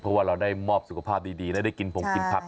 เพราะว่าเราได้มอบสุขภาพดีได้กินผงกินผัก